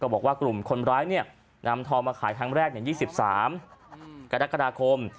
บอกว่ากลุ่มคนร้ายนำทองมาขายครั้งแรก๒๓กรกฎาคม